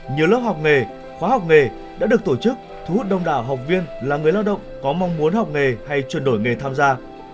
nhiều lớp học nghề khóa học nghề đã được tổ chức thu hút đông đảo học viên là người lao động có mong muốn học nghề hay chuyển đổi nghề tham gia